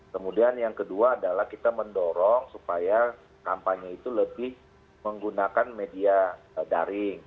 kemudian yang kedua adalah kita mendorong supaya kampanye itu lebih menggunakan media daring